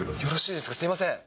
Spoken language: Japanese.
すみません。